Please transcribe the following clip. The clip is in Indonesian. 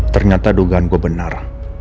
ternyata dugaan gue benar